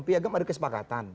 piagam ada kesepakatan